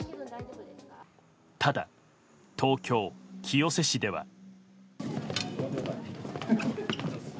ただ、東京・清瀬市では。